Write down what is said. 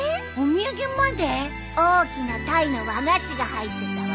大きなタイの和菓子が入ってたわ。